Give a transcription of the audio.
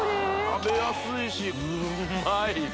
食べやすいしうまい！